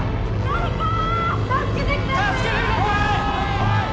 助けてください！